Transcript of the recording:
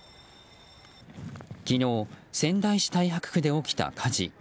昨日、仙台市太白区で起きた火事。